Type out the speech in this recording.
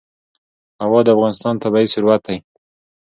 هوا د افغانستان طبعي ثروت دی.